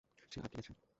সে আটকে গেছে।